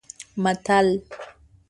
متل